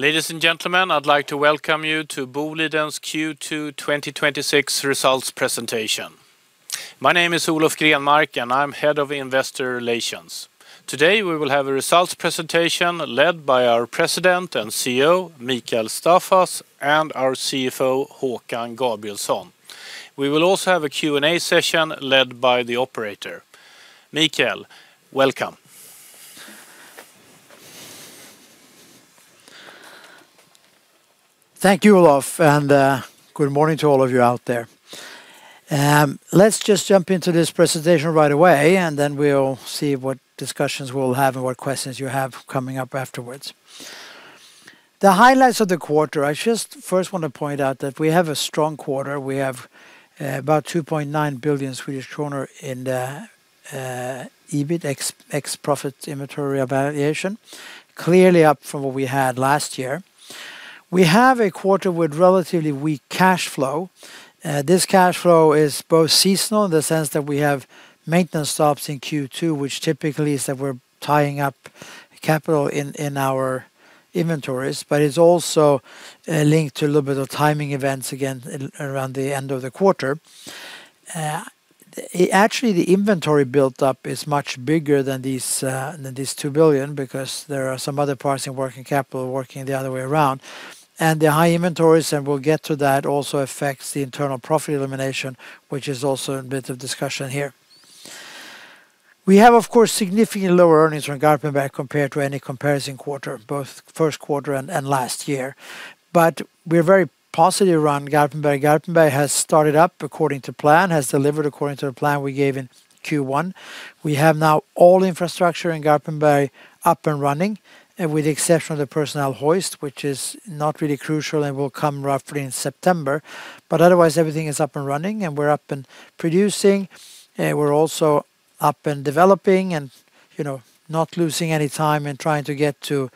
Ladies and gentlemen, I'd like to welcome you to Boliden's Q2 2026 results presentation. My name is Olof Grenmark, and I'm Head of Investor Relations. Today, we will have a results presentation led by our President and CEO, Mikael Staffas, and our CFO, Håkan Gabrielsson. We will also have a Q&A session led by the operator. Mikael, welcome. Thank you, Olof, good morning to all of you out there. Let's just jump into this presentation right away, then we'll see what discussions we'll have and what questions you have coming up afterwards. The highlights of the quarter, I just first want to point out that we have a strong quarter. We have about 2.9 billion Swedish kronor in the EBIT ex Process Inventory Revaluation, clearly up from what we had last year. We have a quarter with relatively weak cash flow. This cash flow is both seasonal in the sense that we have maintenance stops in Q2, which typically is that we're tying up capital in our inventories, it's also linked to a little bit of timing events again around the end of the quarter. Actually, the inventory built up is much bigger than these 2 billion because there are some other parts in working capital working the other way around. The high inventories, and we'll get to that, also affects the internal profit elimination, which is also a bit of discussion here. We have, of course, significantly lower earnings from Garpenberg compared to any comparison quarter, both first quarter and last year. We're very positive around Garpenberg. Garpenberg has started up according to plan, has delivered according to the plan we gave in Q1. We have now all infrastructure in Garpenberg up and running, with the exception of the personnel hoist, which is not really crucial and will come roughly in September. Otherwise, everything is up and running, and we're up and producing. We're also up and developing and not losing any time in trying to get to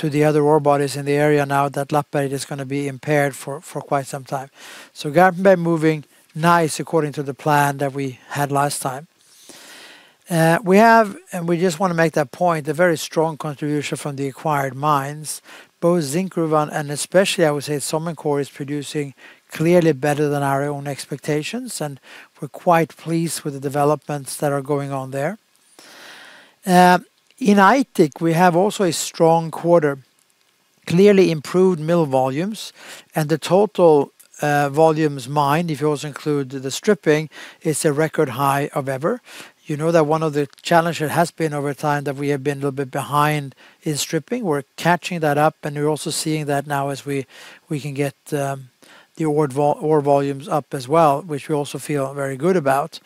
the other ore bodies in the area now that Lappberget is going to be impaired for quite some time. Garpenberg moving nice according to the plan that we had last time. We have, we just want to make that point, a very strong contribution from the acquired mines, both Zinkgruvan and especially, I would say, Somincor is producing clearly better than our own expectations, and we're quite pleased with the developments that are going on there. In Aitik, we have also a strong quarter, clearly improved mill volumes, the total volumes mined, if you also include the stripping, is a record high of ever. You know that one of the challenges has been over time that we have been a little bit behind in stripping. We're catching that up, we're also seeing that now as we can get the ore volumes up as well, which we also feel very good about.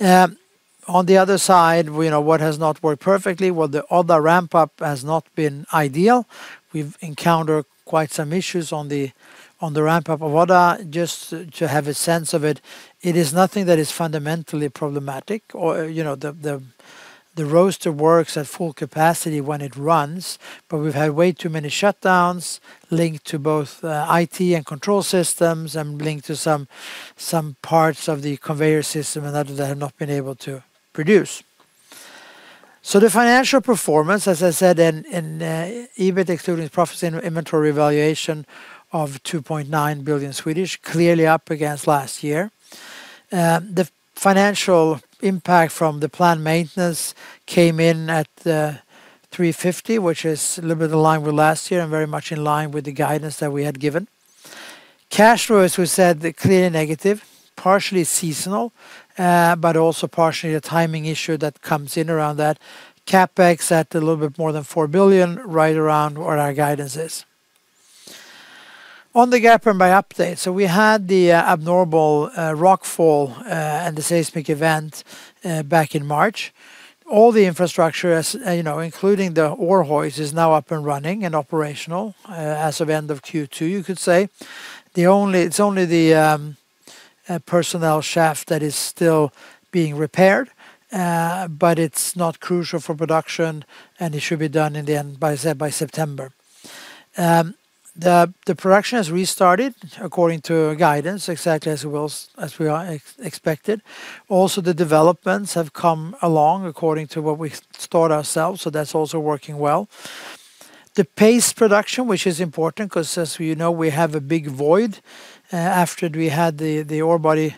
On the other side, what has not worked perfectly? The other ramp-up has not been ideal. We've encountered quite some issues on the ramp-up of Odda. Just to have a sense of it is nothing that is fundamentally problematic. The roaster works at full capacity when it runs, but we've had way too many shutdowns linked to both IT and control systems and linked to some parts of the conveyor system and that they have not been able to produce. The financial performance, as I said, in EBIT ex Process Inventory Revaluation of 2.9 billion, clearly up against last year. The financial impact from the planned maintenance came in at 350 million, which is a little bit in line with last year and very much in line with the guidance that we had given. Cash flow, as we said, clearly negative, partially seasonal, but also partially a timing issue that comes in around that. CapEx at a little bit more than 4 billion, right around where our guidance is. On the Garpenberg update. We had the abnormal rock fall and the seismic event back in March. All the infrastructure, including the ore hoist, is now up and running and operational as of end of Q2, you could say. It's only the personnel shaft that is still being repaired, but it's not crucial for production, and it should be done by September. The production has restarted according to guidance, exactly as we expected. The developments have come along according to what we thought ourselves, so that's also working well. The paste production, which is important because as we know, we have a big void after we had the ore body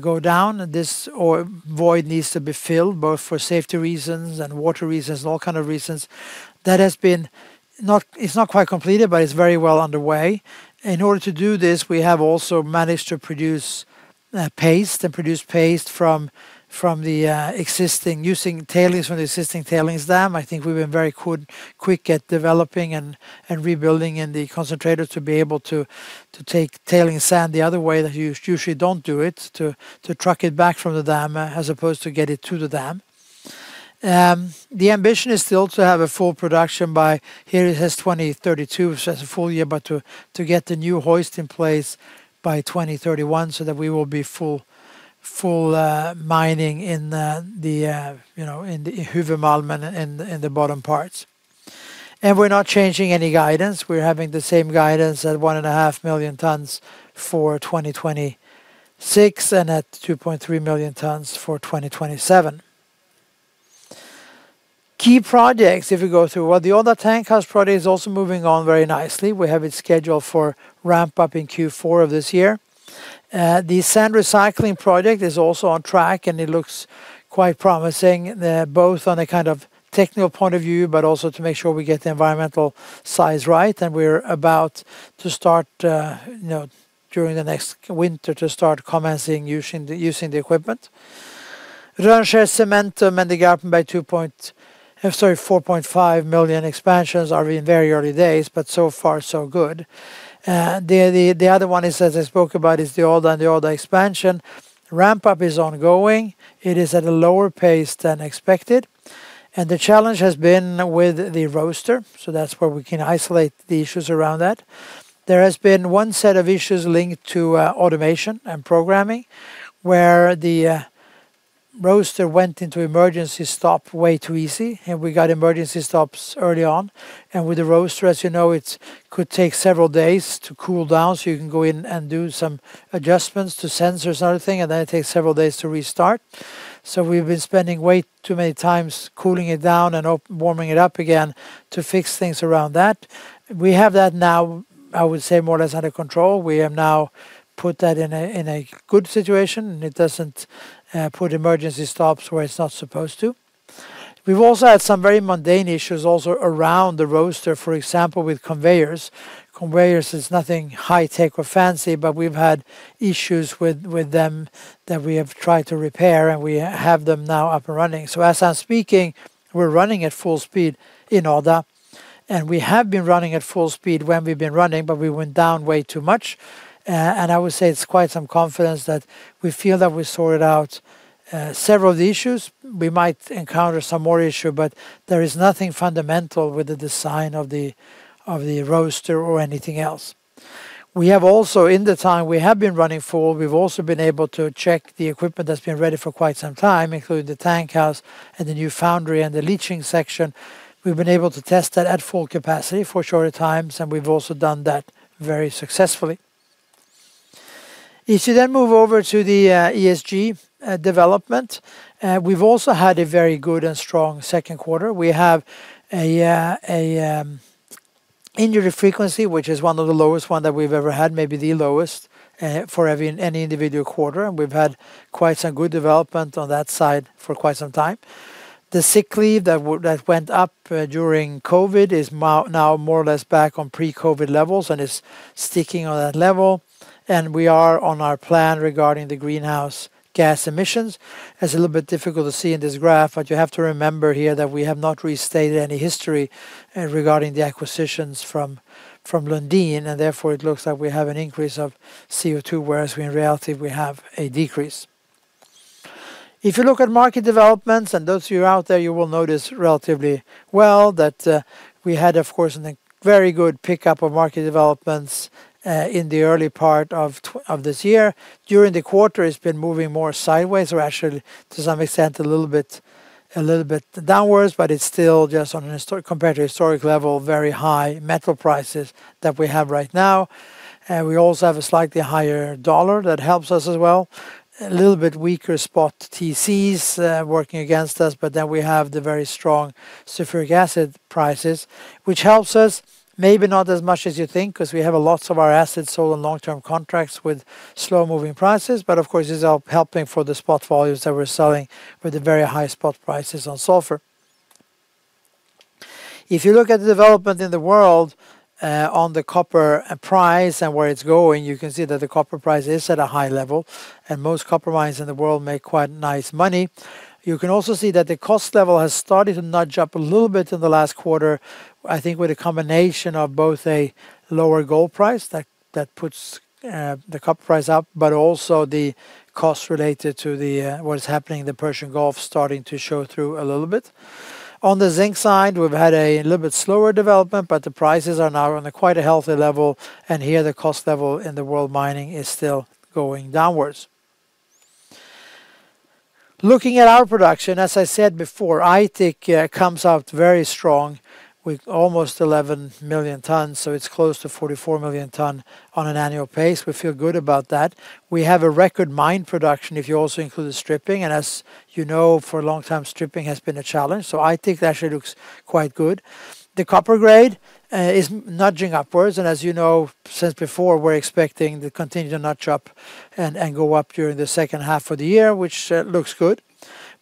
go down. This void needs to be filled both for safety reasons and water reasons, all kinds of reasons. It's not quite completed, but it's very well underway. In order to do this, we have also managed to produce paste and produce paste using tailings from the existing tailings dam. I think we've been very quick at developing and rebuilding in the concentrator to be able to take tailings and the other way that you usually don't do it, to truck it back from the dam as opposed to get it to the dam. The ambition is still to have a full production by, here it says 2032, which has a full year, but to get the new hoist in place by 2031 so that we will be full mining in the Huvudmalmen in the bottom parts. We're not changing any guidance. We're having the same guidance at 1.5 million tonnes for 2026 and at 2.3 million tonnes for 2027. Key projects, if we go through. The other tank house project is also moving on very nicely. We have it scheduled for ramp-up in Q4 of this year. The sand recycling project is also on track, and it looks quite promising, both on a kind of technical point of view, but also to make sure we get the environmental side right. We're about to start during the next winter to start commencing using the equipment. Rönnskär Cement and the Garpenberg 4.5 million tonnes expansions are in very early days, but so far so good. The other one, as I spoke about, is the Odda and the Odda expansion. Ramp up is ongoing. It is at a lower pace than expected, and the challenge has been with the roaster. That's where we can isolate the issues around that. There has been one set of issues linked to automation and programming, where the roaster went into emergency stop way too easy, and we got emergency stops early on. With the roaster, as you know, it could take several days to cool down. You can go in and do some adjustments to sensors and other thing, and then it takes several days to restart. We've been spending way too many times cooling it down and warming it up again to fix things around that. We have that now, I would say, more or less under control. We have now put that in a good situation, and it doesn't put emergency stops where it's not supposed to. We've also had some very mundane issues also around the roaster, for example, with conveyors. Conveyors is nothing high tech or fancy, but we've had issues with them that we have tried to repair, and we have them now up and running. As I'm speaking, we're running at full speed in Odda, and we have been running at full speed when we've been running, but we went down way too much. I would say it's quite some confidence that we feel that we sorted out several of the issues. We might encounter some more issue, but there is nothing fundamental with the design of the roaster or anything else. We have also, in the time we have been running full, we've also been able to check the equipment that's been ready for quite some time, including the tank house and the new foundry and the leaching section. We've been able to test that at full capacity for shorter times, and we've also done that very successfully. If you then move over to the ESG development, we've also had a very good and strong second quarter. We have a injury frequency, which is one of the lowest one that we've ever had, maybe the lowest for any individual quarter, and we've had quite some good development on that side for quite some time. The sick leave that went up during COVID is now more or less back on pre-COVID levels and is sticking on that level. We are on our plan regarding the greenhouse gas emissions. It's a little bit difficult to see in this graph, but you have to remember here that we have not restated any history regarding the acquisitions from Lundin, and therefore it looks like we have an increase of CO2, whereas in reality, we have a decrease. If you look at market developments, and those of you out there you will notice relatively well that we had, of course, a very good pickup of market developments in the early part of this year. During the quarter, it's been moving more sideways or actually, to some extent, a little bit downwards, but it's still just on a compared to historic level, very high metal prices that we have right now. We also have a slightly higher dollar that helps us as well. A little bit weaker spot TCs working against us. We have the very strong sulfuric acid prices, which helps us maybe not as much as you think because we have a lot of our assets sold on long-term contracts with slow-moving prices. Of course, it's helping for the spot volumes that we're selling with the very high spot prices on sulfur. If you look at the development in the world on the copper price and where it's going, you can see that the copper price is at a high level, and most copper mines in the world make quite nice money. You can also see that the cost level has started to nudge up a little bit in the last quarter, I think with a combination of both a lower gold price that puts the copper price up, but also the cost related to what is happening in the Persian Gulf starting to show through a little bit. On the zinc side, we've had a little bit slower development. The prices are now on a quite a healthy level, and here the cost level in the world mining is still going downwards. Looking at our production, as I said before, Aitik comes out very strong with almost 11 million tonnes, so it's close to 44 million tonnes on an annual pace. We feel good about that. We have a record mine production if you also include the stripping. As you know, for a long time, stripping has been a challenge. Aitik actually looks quite good. The copper grade is nudging upwards. As you know, since before, we're expecting to continue to nudge up and go up during the second half of the year, which looks good.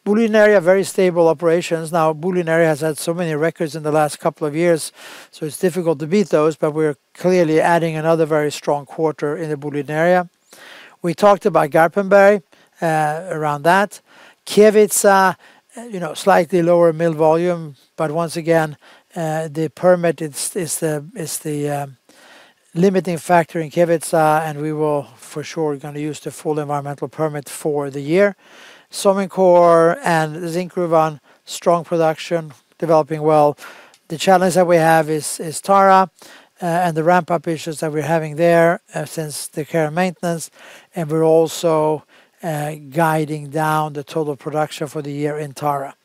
Boliden Area, very stable operations. Now, Boliden Area has had so many records in the last couple of years, so it's difficult to beat those, but we're clearly adding another very strong quarter in the Boliden Area. We talked about Garpenberg, around that. Kevitsa, slightly lower mill volume, but once again the permit is the limiting factor in Kevitsa, and we will for sure going to use the full environmental permit for the year. Somincor and Zinkgruvan, strong production, developing well. The challenge that we have is Tara and the ramp-up issues that we're having there since the care and maintenance. We're also guiding down the total production for the year in Tara.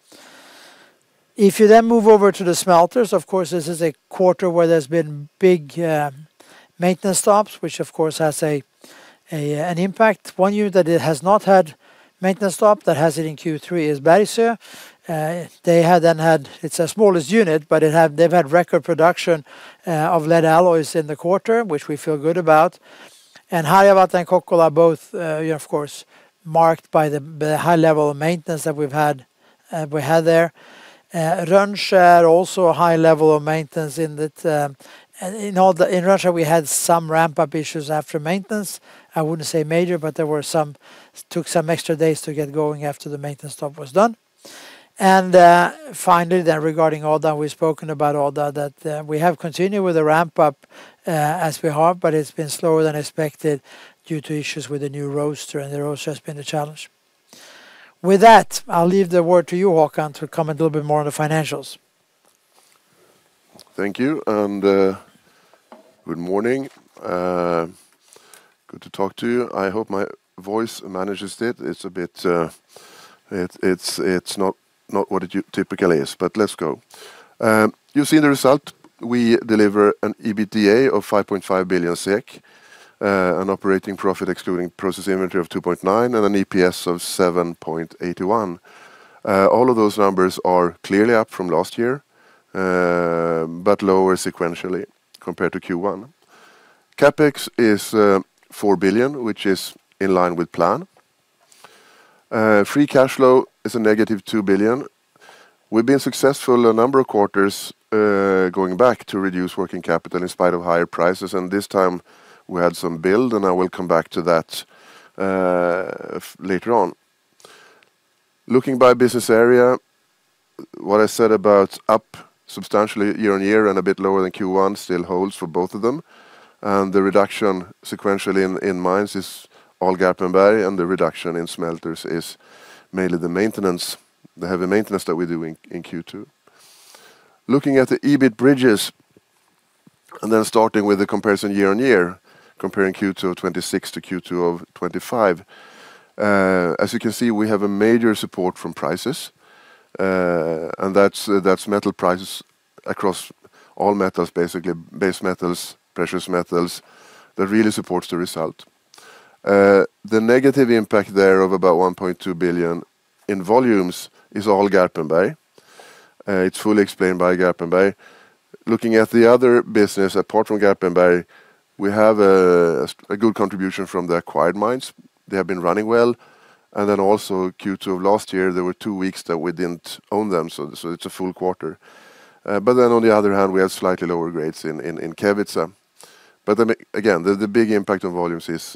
Move over to the smelters. Of course, this is a quarter where there's been big maintenance stops, which of course has an impact. One year that it has not had maintenance stop that has it in Q3 is Bergsöe. It's the smallest unit. They've had record production of lead alloys in the quarter, which we feel good about. Harjavalta and Kokkola are both, of course, marked by the high level of maintenance that we had there. Rönnskär also a high level of maintenance in that. In Rönnskär, we had some ramp-up issues after maintenance. I wouldn't say major, but took some extra days to get going after the maintenance stop was done. Finally, regarding all that we've spoken about, all that we have continued with the ramp-up as we have, but it's been slower than expected due to issues with the new roaster, and the roaster has been a challenge. With that, I'll leave the word to you, Håkan, to comment a little bit more on the financials. Thank you. Good morning. Good to talk to you. I hope my voice manages it. It's not what it typically is, but let's go. You've seen the result. We deliver an EBITDA of 5.5 billion SEK, an operating profit excluding process inventory of 2.9, and an EPS of 7.81. All of those numbers are clearly up from last year, but lower sequentially compared to Q1. CapEx is 4 billion, which is in line with plan. Free cash flow is a -2 billion. We've been successful a number of quarters, going back to reduce working capital in spite of higher prices. This time we had some build, I will come back to that later on. Looking by business area, what I said about up substantially year-on-year and a bit lower than Q1 still holds for both of them. The reduction sequentially in mines is all Garpenberg. The reduction in smelters is mainly the heavy maintenance that we do in Q2. Looking at the EBIT bridges, starting with the comparison year-on-year, comparing Q2 2026 to Q2 2025. As you can see, we have a major support from prices, and that's metal prices across all metals, basically base metals, precious metals, that really supports the result. The negative impact there of about 1.2 billion in volumes is all Garpenberg. It's fully explained by Garpenberg. Looking at the other business apart from Garpenberg, we have a good contribution from the acquired mines. They have been running well. Also Q2 of last year, there were two weeks that we didn't own them, so it's a full quarter. On the other hand, we had slightly lower grades in Kevitsa. Again, the big impact on volumes is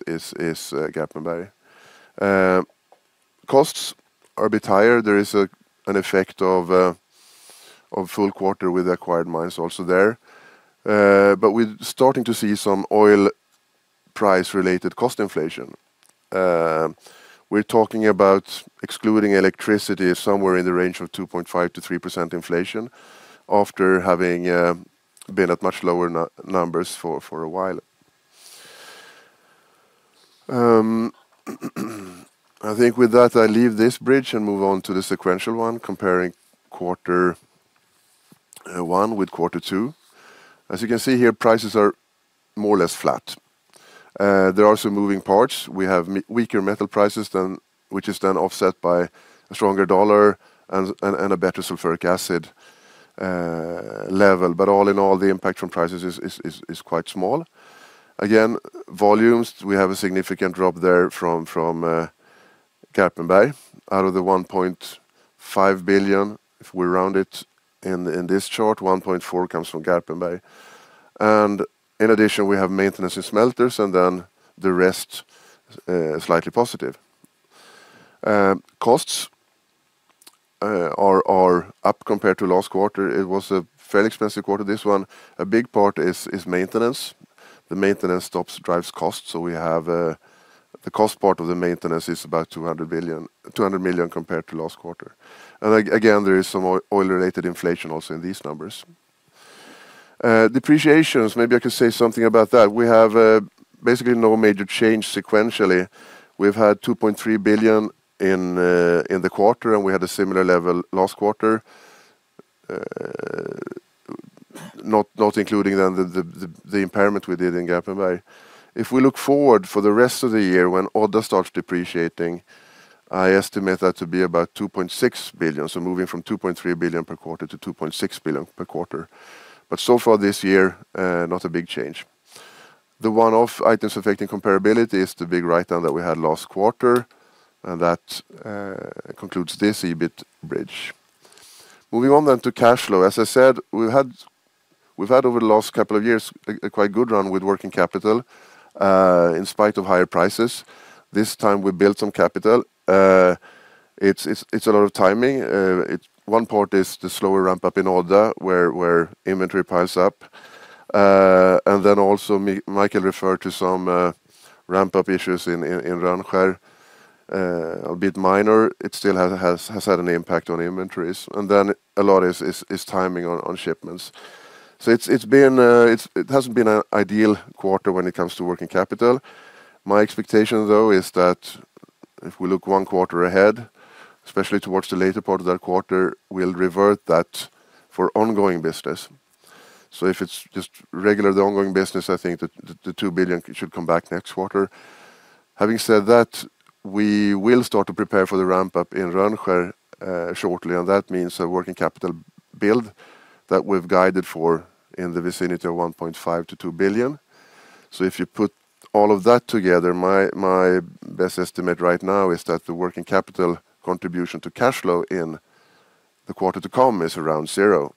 Garpenberg. Costs are a bit higher. There is an effect of full quarter with acquired mines also there. We're starting to see some oil price-related cost inflation. We're talking about excluding electricity somewhere in the range of 2.5%-3% inflation after having been at much lower numbers for a while. I think with that, I leave this bridge and move on to the sequential one, comparing quarter one with quarter two. As you can see here, prices are more or less flat. There are some moving parts. We have weaker metal prices which is then offset by a stronger dollar and a better sulfuric acid level. All in all, the impact from prices is quite small. Again, volumes, we have a significant drop there from Garpenberg. Out of the 1.5 billion, if we round it in this chart, 1.4 billion comes from Garpenberg. In addition, we have maintenance in smelters, then the rest slightly positive. Costs are up compared to last quarter. It was a fairly expensive quarter, this one. A big part is maintenance. The maintenance stops drives cost. We have the cost part of the maintenance is about 200 million compared to last quarter. Again, there is some oil-related inflation also in these numbers. Depreciations, maybe I can say something about that. We have basically no major change sequentially. We've had 2.3 billion in the quarter, and we had a similar level last quarter, not including the impairment we did in Garpenberg. If we look forward for the rest of the year when all that starts depreciating, I estimate that to be about 2.6 billion, so moving from 2.3 billion per quarter to 2.6 billion per quarter. So far this year, not a big change. The one-off items affecting comparability is the big write-down that we had last quarter. That concludes this EBIT bridge. Moving on to cash flow. As I said, we've had over the last couple of years a quite good run with working capital in spite of higher prices. This time we built some capital. It's a lot of timing. One part is the slower ramp-up in Odda, where inventory piles up. Then also Mikael referred to some ramp-up issues in Rönnskär. A bit minor. It still has had an impact on inventories. Then a lot is timing on shipments. It hasn't been an ideal quarter when it comes to working capital. My expectation, though, is that if we look one quarter ahead, especially towards the later part of that quarter, we'll revert that for ongoing business. If it's just regular ongoing business, I think that the 2 billion should come back next quarter. Having said that, we will start to prepare for the ramp-up in Rönnskär shortly, that means a working capital build that we've guided for in the vicinity of 1.5 billion-2 billion. If you put all of that together, my best estimate right now is that the working capital contribution to cash flow in the quarter to come is around zero.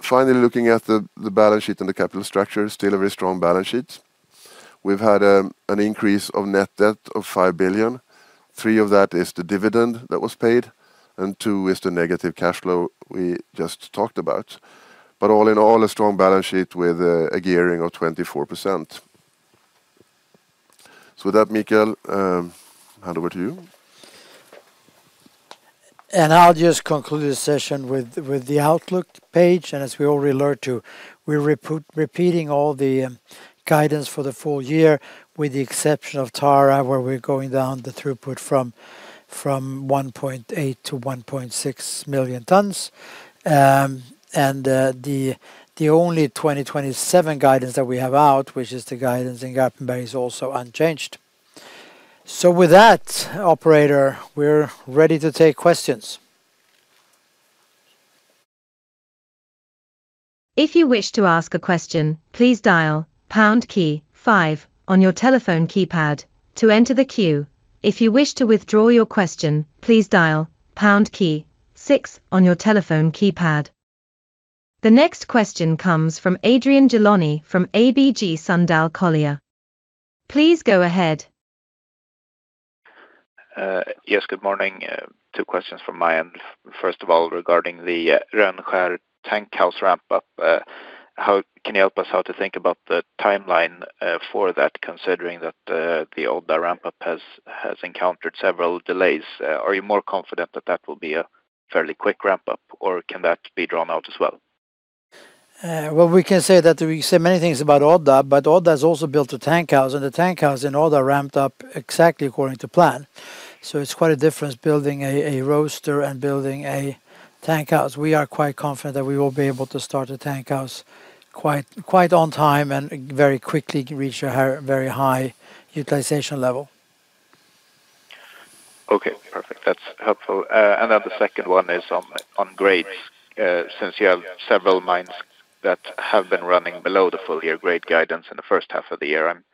Finally, looking at the balance sheet and the capital structure, still a very strong balance sheet. We've had an increase of net debt of 5 billion. 3 billion of that is the dividend that was paid, and 2 billion is the negative cash flow we just talked about. All in all, a strong balance sheet with a gearing of 24%. With that, Mikael, hand over to you. I'll just conclude the session with the outlook page. As we already alluded to, we're repeating all the guidance for the full year, with the exception of Tara, where we're going down the throughput from 1.8 million tonnes to 1.6 million tonnes. The only 2027 guidance that we have out, which is the guidance in Garpenberg, is also unchanged. With that, operator, we're ready to take questions. If you wish to ask a question, please dial pound key five on your telephone keypad to enter the queue. If you wish to withdraw your question, please dial pound key six on your telephone keypad. The next question comes from Adrian Gilani from ABG Sundal Collier. Please go ahead. Yes, good morning. Two questions from my end. First of all, regarding the Rönnskär tankhouse ramp-up, can you help us how to think about the timeline for that, considering that the older ramp-up has encountered several delays? Are you more confident that that will be a fairly quick ramp-up, or can that be drawn out as well? Well, we can say that we say many things about Odda, but Odda has also built a tank house, and the tank house in Odda ramped up exactly according to plan. It's quite a difference building a roaster and building a tank house. We are quite confident that we will be able to start a tank house quite on time and very quickly reach a very high utilization level. Okay, perfect. That's helpful. The second one is on grades. Since you have several mines that have been running below the full-year grade guidance in the first half of the year, I'm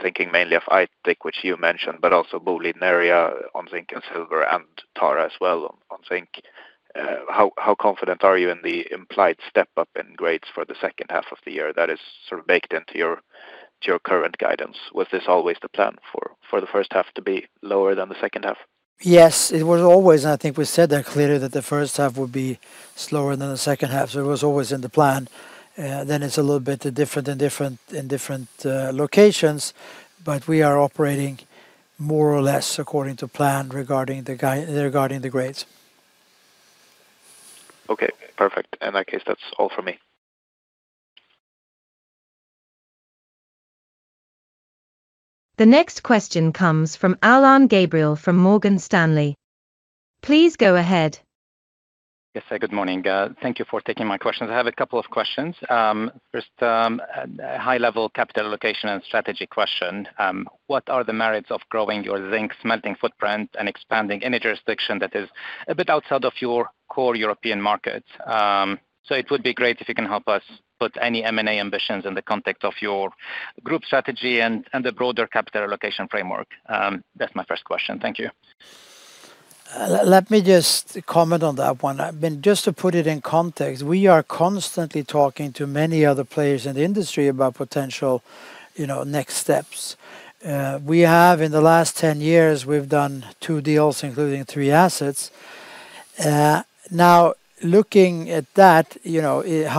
thinking mainly of Aitik, which you mentioned, but also Boliden Area on zinc and silver, and Tara as well on zinc. How confident are you in the implied step-up in grades for the second half of the year that is sort of baked into your current guidance? Was this always the plan for the first half to be lower than the second half? Yes, it was always. I think we said that clearly that the first half would be slower than the second half, it was always in the plan. It's a little bit different in different locations, we are operating more or less according to plan regarding the grades. Okay, perfect. In that case, that's all from me. The next question comes from Alain Gabriel from Morgan Stanley. Please go ahead. Yes, good morning. Thank you for taking my questions. I have a couple of questions. First, a high-level capital allocation and strategy question. What are the merits of growing your zinc smelting footprint and expanding any jurisdiction that is a bit outside of your core European markets? It would be great if you can help us put any M&A ambitions in the context of your group strategy and the broader capital allocation framework. That's my first question. Thank you. Let me just comment on that one. Just to put it in context, we are constantly talking to many other players in the industry about potential next steps. In the last 10 years, we've done two deals, including three assets. Looking at that,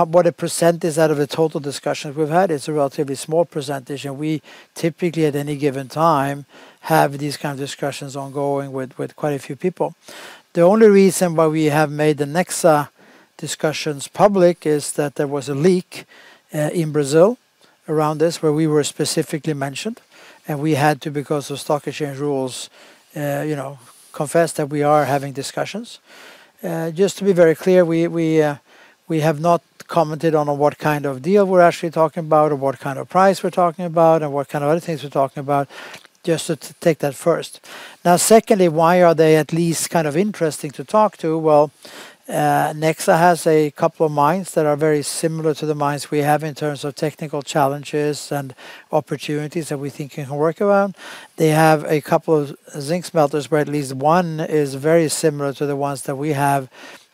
what a percent is out of the total discussions we've had, it's a relatively small percentage, and we typically, at any given time, have these kinds of discussions ongoing with quite a few people. The only reason why we have made the Nexa discussions public is that there was a leak in Brazil around this where we were specifically mentioned, and we had to, because of stock exchange rules, confess that we are having discussions. Just to be very clear, we have not commented on what kind of deal we're actually talking about or what kind of price we're talking about and what kind of other things we're talking about. Just to take that first. Secondly, why are they at least kind of interesting to talk to? Well, Nexa has a couple of mines that are very similar to the mines we have in terms of technical challenges and opportunities that we think can work around. They have a couple of zinc smelters, where at least one is very similar to the ones that we have,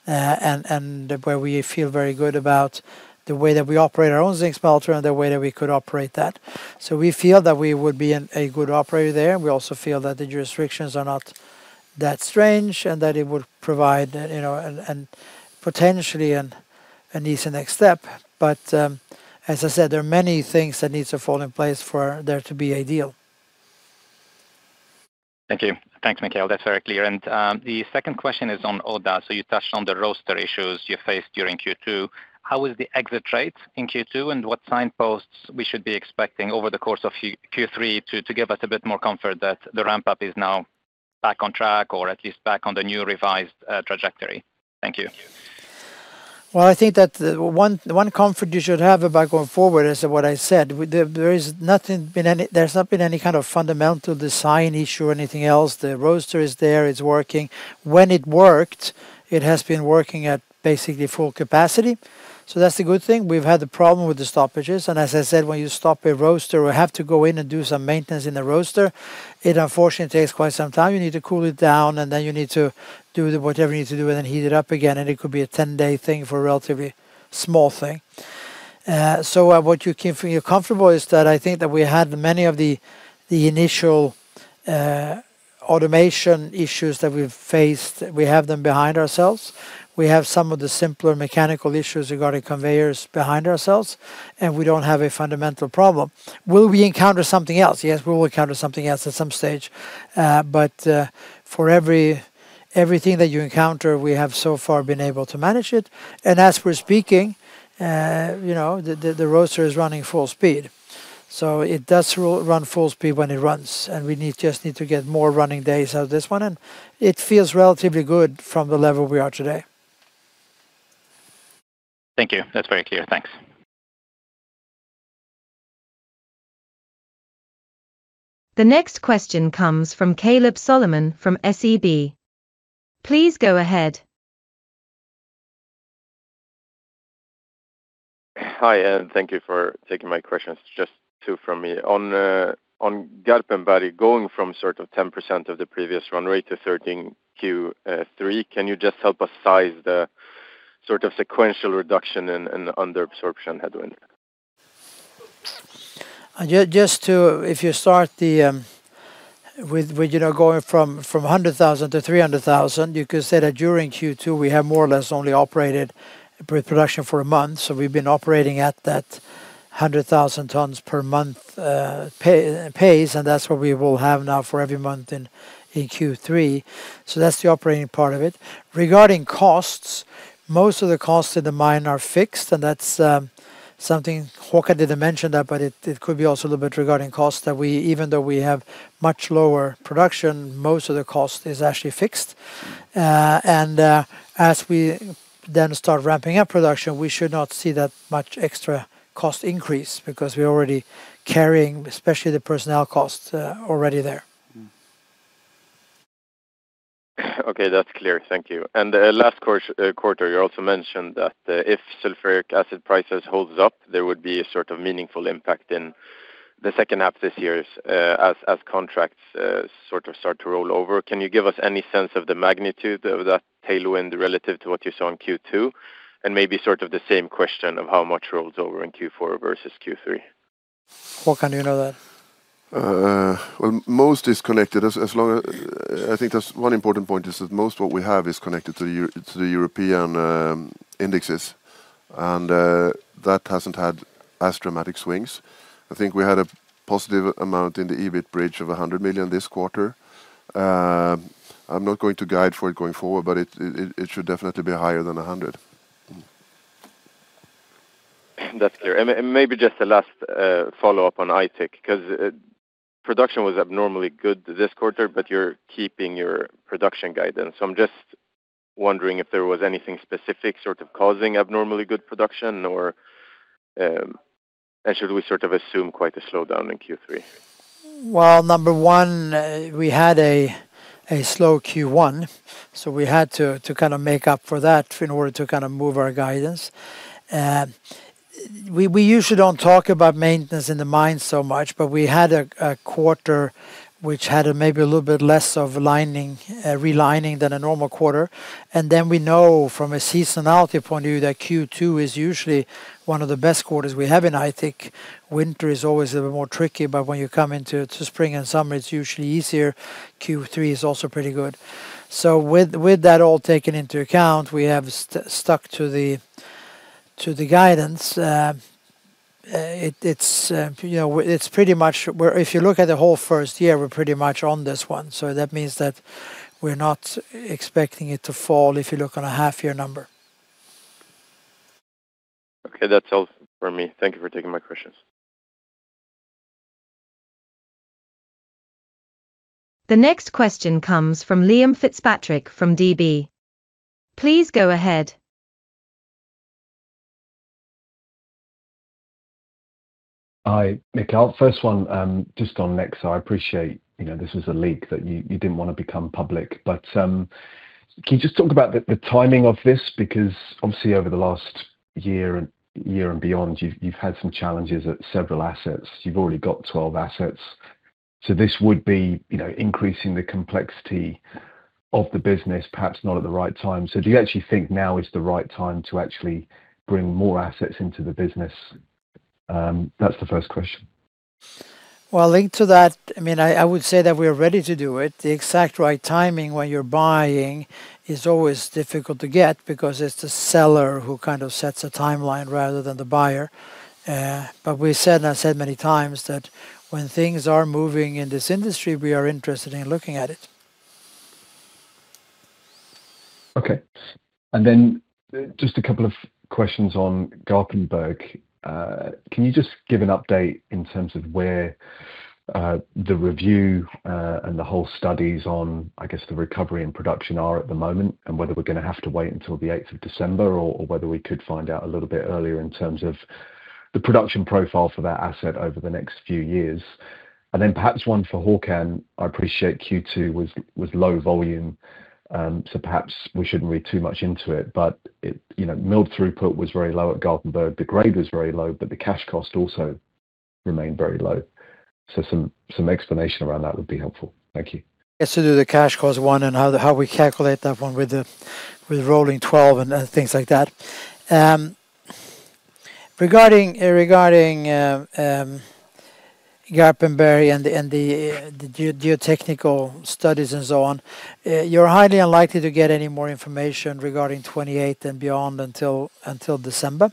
and where we feel very good about the way that we operate our own zinc smelter and the way that we could operate that. We feel that we would be a good operator there, and we also feel that the jurisdictions are not that strange and that it would provide potentially an easy next step. As I said, there are many things that needs to fall in place for there to be a deal. Thank you. Thanks, Mikael. That's very clear. The second question is on Odda. You touched on the roaster issues you faced during Q2. How was the exit rate in Q2, and what signposts we should be expecting over the course of Q3 to give us a bit more comfort that the ramp-up is now back on track or at least back on the new revised trajectory? Thank you. I think that the one comfort you should have about going forward is what I said. There's not been any kind of fundamental design issue or anything else. The roaster is there, it's working. When it worked, it has been working at basically full capacity. That's the good thing. We've had the problem with the stoppages, as I said, when you stop a roaster, we have to go in and do some maintenance in the roaster. It unfortunately takes quite some time. You need to cool it down, then you need to do whatever you need to do, then heat it up again. It could be a 10-day thing for a relatively small thing. What you can feel comfortable is that I think that we had many of the initial automation issues that we've faced, we have them behind ourselves. We have some of the simpler mechanical issues regarding conveyors behind ourselves, we don't have a fundamental problem. Will we encounter something else? Yes, we will encounter something else at some stage. For everything that you encounter, we have so far been able to manage it. As we're speaking, the roaster is running full speed. It does run full speed when it runs, we just need to get more running days out of this one, it feels relatively good from the level we are today. Thank you. That's very clear. Thanks. The next question comes from Kaleb Solomon from SEB. Please go ahead. Hi. Thank you for taking my questions. Just two from me. On Garpenberg going from sort of 10% of the previous run-rate to 13% Q3, can you just help us size the sort of sequential reduction in the under absorption headwind? If you start with going from 100,000 tonnes to 300,000 tonnes, you could say that during Q2, we have more or less only operated pre-production for a month. We've been operating at that 100,000 tonnes per month pace, and that's what we will have now for every month in Q3. That's the operating part of it. Regarding costs, most of the costs in the mine are fixed, and that's something Håkan didn't mention that, but it could be also a little bit regarding cost that even though we have much lower production, most of the cost is actually fixed. As we then start ramping-up production, we should not see that much extra cost increase because we're already carrying, especially the personnel costs, already there. Okay. That's clear. Thank you. Last quarter, you also mentioned that if sulfuric acid prices holds up, there would be a sort of meaningful impact in the second half this year as contracts sort of start to roll over. Can you give us any sense of the magnitude of that tailwind relative to what you saw in Q2? Maybe sort of the same question of how much rolls over in Q4 versus Q3. Håkan, do you know that? Most is connected. I think that's one important point is that most what we have is connected to the European indexes, and that hasn't had as dramatic swings. I think we had a positive amount in the EBIT bridge of 100 million this quarter. I'm not going to guide for it going forward, but it should definitely be higher than 100 million. That's clear. Maybe just a last follow-up on Aitik, because production was abnormally good this quarter, but you're keeping your production guidance. I'm just wondering if there was anything specific sort of causing abnormally good production, or should we sort of assume quite a slowdown in Q3? Number one, we had a slow Q1, so we had to kind of make up for that in order to kind of move our guidance. We usually don't talk about maintenance in the mine so much, but we had a quarter which had maybe a little bit less of relining than a normal quarter. We know from a seasonality point of view that Q2 is usually one of the best quarters we have in Aitik. Winter is always a little more tricky, but when you come into spring and summer, it's usually easier. Q3 is also pretty good. With that all taken into account, we have stuck to the guidance. If you look at the whole first year, we're pretty much on this one. That means that we're not expecting it to fall if you look on a half-year number. Okay. That's all from me. Thank you for taking my questions. The next question comes from Liam Fitzpatrick from DB. Please go ahead. Hi, Mikael. First one, just on Nexa. I appreciate this was a leak that you didn't want to become public, but can you just talk about the timing of this? Because obviously over the last year and beyond, you've had some challenges at several assets. You've already got 12 assets. This would be increasing the complexity of the business, perhaps not at the right time. Do you actually think now is the right time to actually bring more assets into the business? That's the first question. Well, linked to that, I would say that we are ready to do it. The exact right timing when you're buying is always difficult to get because it's the seller who kind of sets a timeline rather than the buyer. We said, and I've said many times, that when things are moving in this industry, we are interested in looking at it. Just a couple of questions on Garpenberg. Can you just give an update in terms of where the review and the whole studies on, I guess, the recovery and production are at the moment, and whether we're going to have to wait until the 8th of December or whether we could find out a little bit earlier in terms of the production profile for that asset over the next few years. Perhaps one for Håkan. I appreciate Q2 was low volume, so perhaps we shouldn't read too much into it, but milled throughput was very low at Garpenberg. The grade was very low, but the cash cost also remained very low. Some explanation around that would be helpful. Thank you. Yes, to do the cash cost one and how we calculate that one with rolling 12 months and things like that. Regarding Garpenberg and the geotechnical studies and so on, you're highly unlikely to get any more information regarding 2028 and beyond until December.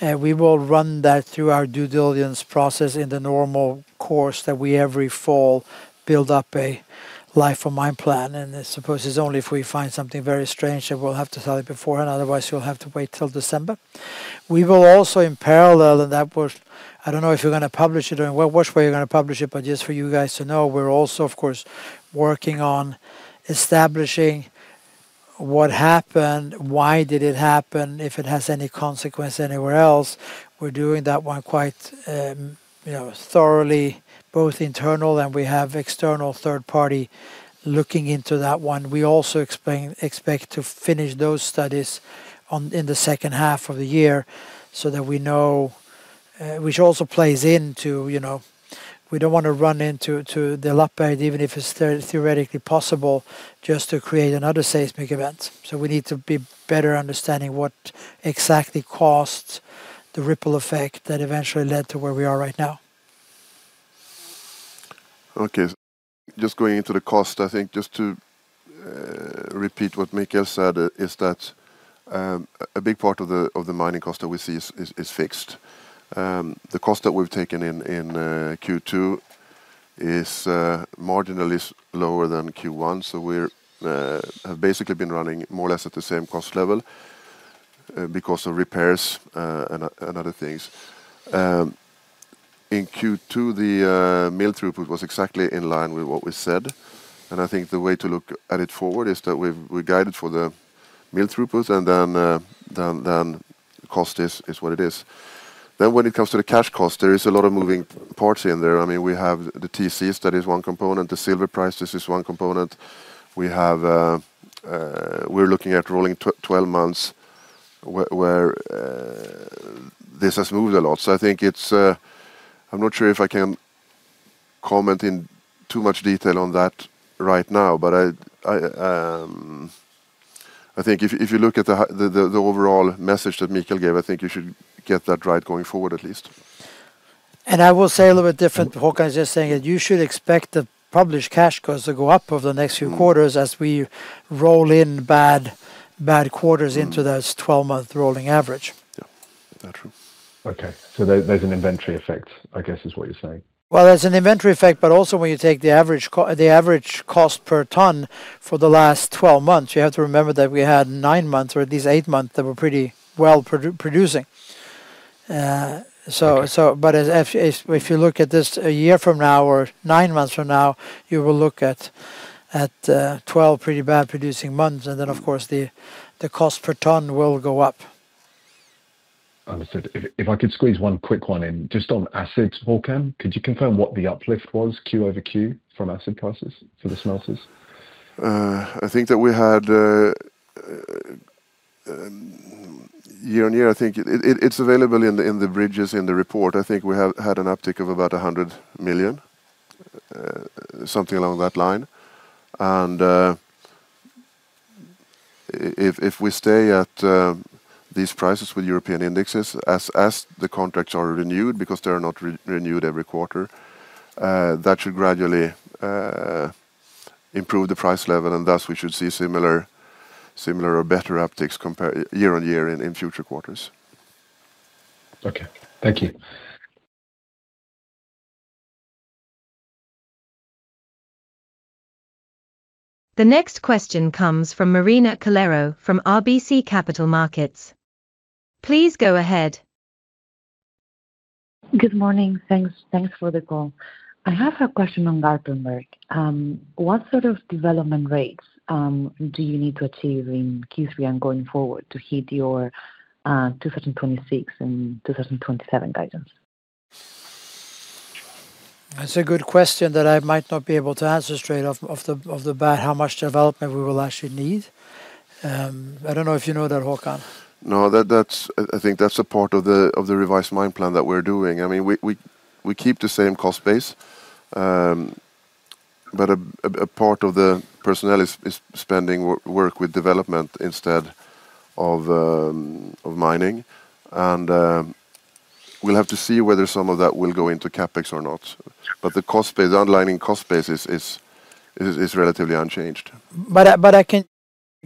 We will run that through our due diligence process in the normal course that we every fall build up a life of mine plan. I suppose it's only if we find something very strange that we'll have to tell it beforehand, otherwise you'll have to wait till December. We will also in parallel, I don't know if you're going to publish it or in which way you're going to publish it, but just for you guys to know, we're also, of course, working on establishing what happened, why did it happen, if it has any consequence anywhere else. We're doing that one quite thoroughly, both internal and we have external third party looking into that one. We also expect to finish those studies in the second half of the year, which also plays into we don't want to run into the Lappberget, even if it's theoretically possible, just to create another seismic event. We need to be better understanding what exactly caused the ripple effect that eventually led to where we are right now. Okay. Just going into the cost, I think just to repeat what Mikael said is that a big part of the mining cost that we see is fixed. The cost that we've taken in Q2 is marginally lower than Q1. We have basically been running more or less at the same cost level because of repairs and other things. In Q2, the mill throughput was exactly in line with what we said. I think the way to look at it forward is that we guided for the mill throughput and then cost is what it is. When it comes to the cash cost, there is a lot of moving parts in there. We have the TCs, that is one component. The silver prices is one component. We're looking at rolling 12 months, where this has moved a lot. I'm not sure if I can comment in too much detail on that right now, but I think if you look at the overall message that Mikael gave, I think you should get that right going forward, at least. I will say a little bit different, Håkan, is just saying that you should expect the published cash costs to go up over the next few quarters as we roll in bad quarters into this 12-month rolling average. Yeah. True. Okay. There's an inventory effect, I guess, is what you're saying. There's an inventory effect, but also when you take the average cost per tonne for the last 12 months, you have to remember that we had nine months, or at least eight months, that were pretty well producing. If you look at this a year from now or nine months from now, you will look at 12 pretty bad producing months, of course, the cost per tonne will go up. Understood. If I could squeeze one quick one in. Just on acids, Håkan, could you confirm what the uplift was Q-over-Q from acid prices for the smelters? I think that we had year-on-year, I think it's available in the bridges in the report. I think we have had an uptick of about 100 million, something along that line. If we stay at these prices with European indexes as the contracts are renewed, because they are not renewed every quarter, that should gradually improve the price level, thus we should see similar or better upticks year-on-year in future quarters. Okay. Thank you. The next question comes from Marina Calero from RBC Capital Markets. Please go ahead. Good morning. Thanks for the call. I have a question on Garpenberg. What sort of development rates do you need to achieve in Q3 and going forward to hit your 2026 and 2027 guidance? That's a good question that I might not be able to answer straight off the bat, how much development we will actually need. I don't know if you know that, Håkan. I think that's a part of the revised mine plan that we're doing. We keep the same cost base, but a part of the personnel is spending work with development instead of mining. We'll have to see whether some of that will go into CapEx or not. The underlying cost base is relatively unchanged. I can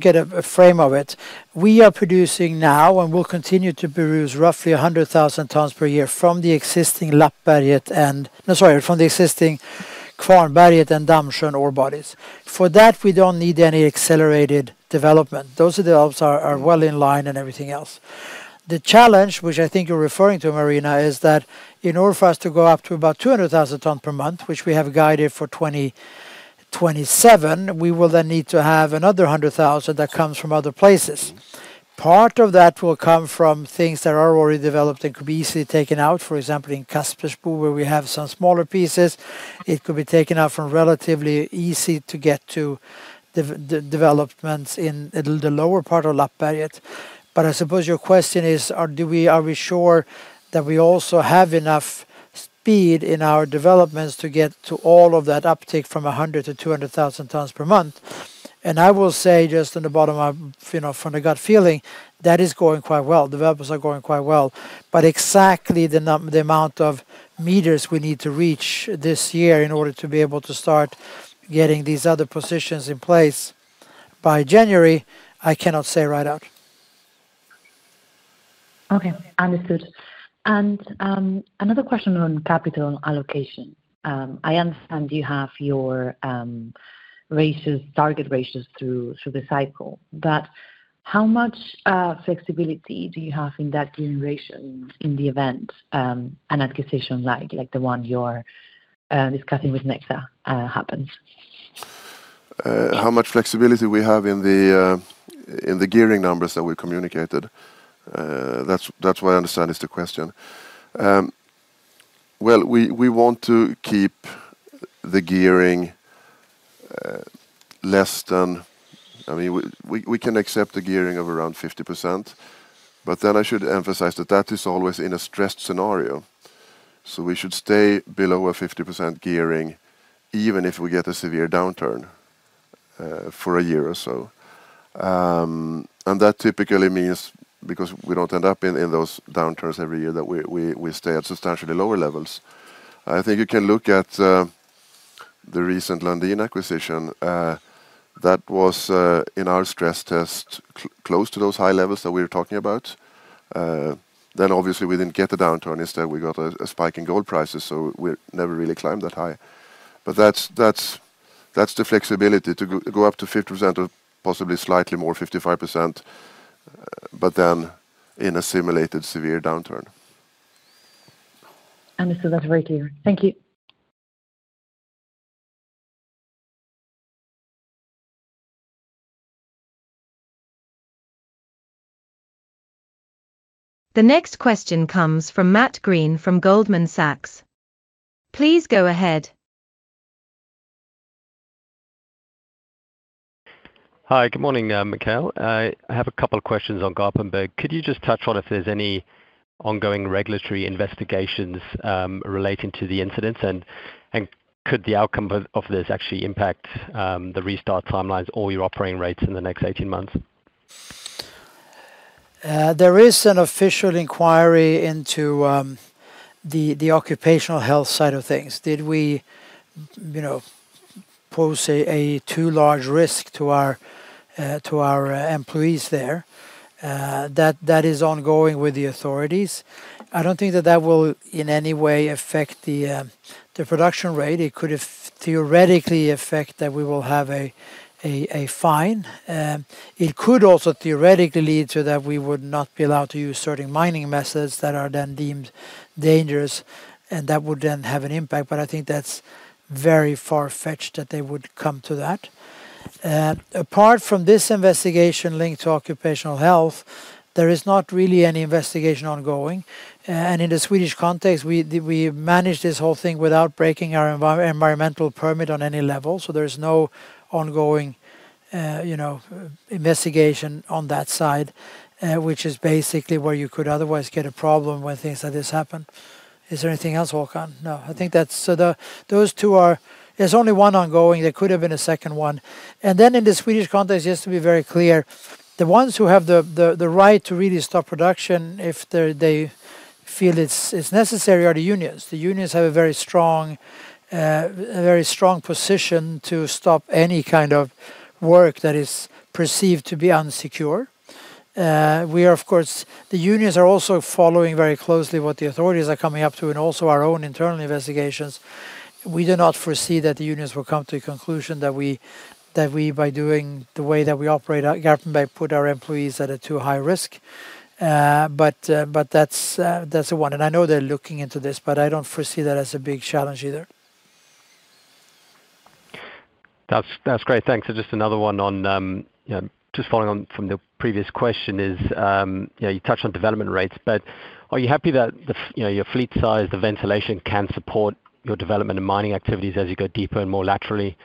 get a frame of it. We are producing now and will continue to produce roughly 100,000 tonnes per year from the existing Kvarnberget and Dammsjön ore bodies. For that, we don't need any accelerated development. Those developments are well in-line and everything else. The challenge, which I think you're referring to, Marina, is that in order for us to go up to about 200,000 tonne-per-month, which we have guided for 2027, we will then need to have another 100,000 tonnes that comes from other places. Part of that will come from things that are already developed and could be easily taken out. For example, in Kaspersbo, where we have some smaller pieces, it could be taken out from relatively easy to get to developments in the lower part of Lappberget. I suppose your question is, are we sure that we also have enough speed in our developments to get to all of that uptick from 100,000 tonnes to 200,000 tonnes per month? I will say just in the bottom of from the gut feeling, that is going quite well. Developments are going quite well. Exactly the amount of meters we need to reach this year in order to be able to start getting these other positions in place by January, I cannot say right out. Okay. Understood. Another question on capital allocation. I understand you have your target ratios through the cycle, but how much flexibility do you have in that gearing ratio in the event an acquisition like the one you're discussing with Nexa happens? How much flexibility we have in the gearing numbers that we communicated? That's what I understand is the question. Well, we want to keep the gearing less than. We can accept the gearing of around 50%, but I should emphasize that that is always in a stressed scenario. We should stay below a 50% gearing, even if we get a severe downturn for a year or so. That typically means because we don't end up in those downturns every year, that we stay at substantially lower levels. I think you can look at the recent Lundin acquisition. That was in our stress test close to those high levels that we were talking about. Obviously we didn't get a downturn. Instead we got a spike in gold prices. We never really climbed that high. That's the flexibility to go up to 50% or possibly slightly more, 55%, in a simulated severe downturn. Understood. That's very clear. Thank you. The next question comes from Matt Greene from Goldman Sachs. Please go ahead. Hi. Good morning, Mikael. I have a couple questions on Garpenberg. Could you just touch on if there's any ongoing regulatory investigations relating to the incidents, and could the outcome of this actually impact the restart timelines or your operating rates in the next 18 months? There is an official inquiry into the occupational health side of things. Did we pose a too large risk to our employees there? That is ongoing with the authorities. I don't think that that will in any way affect the production rate. It could theoretically affect that we will have a fine. It could also theoretically lead to that we would not be allowed to use certain mining methods that are then deemed dangerous, and that would then have an impact. I think that's very far-fetched that they would come to that. Apart from this investigation linked to occupational health, there is not really any investigation ongoing. In the Swedish context, we managed this whole thing without breaking our environmental permit on any level. There is no ongoing investigation on that side, which is basically where you could otherwise get a problem when things like this happen. Is there anything else, Håkan? No. There's only one ongoing. There could have been a second one. In the Swedish context, just to be very clear, the ones who have the right to really stop production if they feel it's necessary are the unions. The unions have a very strong position to stop any kind of work that is perceived to be unsecure. The unions are also following very closely what the authorities are coming up to and also our own internal investigations. We do not foresee that the unions will come to a conclusion that we, by doing the way that we operate at Garpenberg, put our employees at a too high risk. That's the one. I know they're looking into this, I don't foresee that as a big challenge either. That's great. Thanks. Just another one, just following on from the previous question is, you touched on development rates, are you happy that your fleet size, the ventilation can support your development and mining activities as you go deeper and more laterally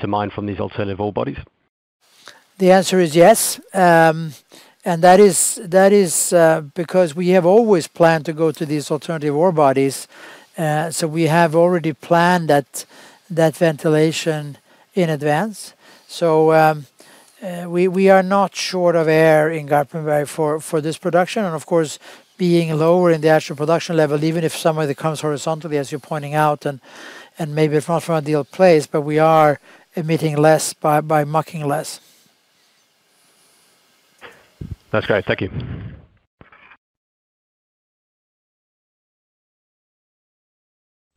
to mine from these alternative ore bodies? The answer is yes. That is because we have always planned to go to these alternative ore bodies. We have already planned that ventilation in advance. We are not short of air in Garpenberg for this production. Of course, being lower in the actual production level, even if some of it comes horizontally, as you're pointing out, and maybe from a different place, but we are emitting less by mucking less. That's great. Thank you.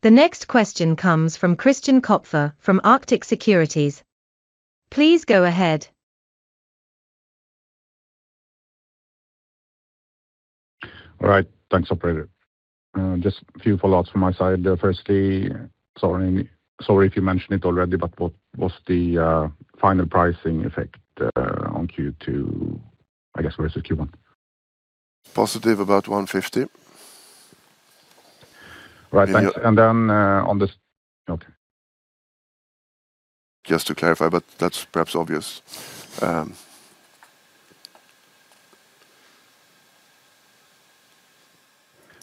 The next question comes from Christian Kopfer from Arctic Securities. Please go ahead. All right. Thanks, operator. Just a few follow-ups from my side. Firstly, sorry if you mentioned it already, but what was the final pricing effect on Q2, I guess versus Q1? Positive about 150 million. Right. Thanks. Then Okay. Just to clarify, that's perhaps obvious.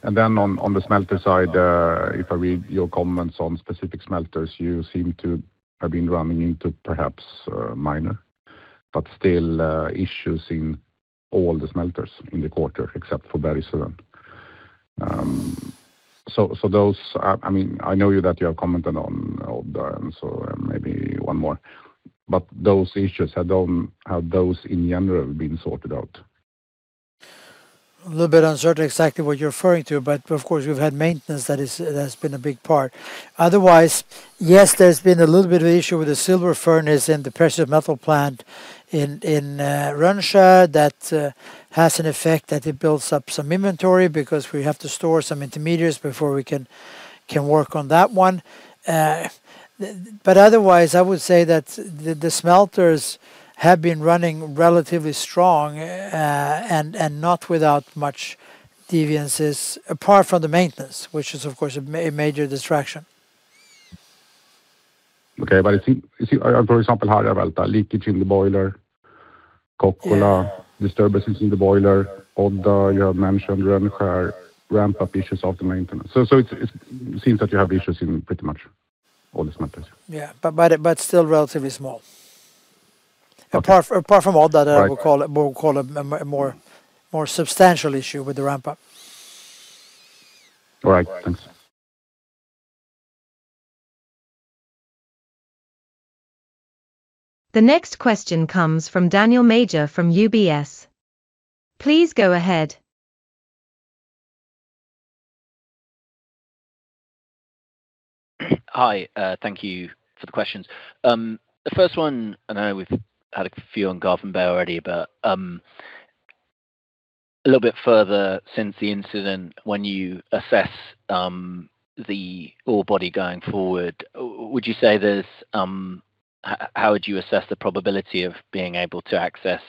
Then on the smelter side, if I read your comments on specific smelters, you seem to have been running into perhaps minor, still issues in all the smelters in the quarter except for Bergsöe. I know that you have commented on Odda, so maybe one more, those issues, have those in general been sorted out? A little bit uncertain exactly what you're referring to, of course, we've had maintenance that has been a big part. Otherwise, yes, there's been a little bit of an issue with the silver furnace and the precious metal plant in Rönnskär that has an effect that it builds up some inventory because we have to store some intermediaries before we can work on that one. Otherwise, I would say that the smelters have been running relatively strong, and not without much deviances apart from the maintenance, which is, of course, a major distraction. Okay. For example, Harjavalta leakage in the boiler, Kokkola- Yeah disturbances in the boiler. Odda, you have mentioned. Rönnskär, ramp-up issues after maintenance. It seems that you have issues in pretty much all the smelters. Yeah. Still relatively small. Okay. Apart from Odda Right that I would call a more substantial issue with the ramp-up. All right. Thanks. The next question comes from Daniel Major from UBS. Please go ahead. Hi. Thank you for the questions. The first one, I know we've had a few on Garpenberg already, but a little bit further since the incident, when you assess the ore body going forward, how would you assess the probability of being able to access